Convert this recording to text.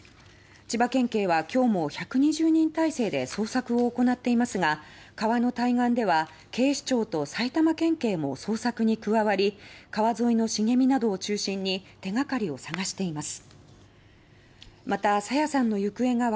千葉県警は今日も１２０人態勢で捜索を行っていますが川の対岸では警視庁と埼玉県警も捜索に加わり川沿いの茂みなどを中心に手がかりを捜しています。